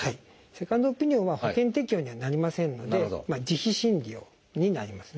セカンドオピニオンは保険適用にはなりませんので自費診療になりますね。